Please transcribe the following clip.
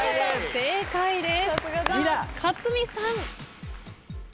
正解です。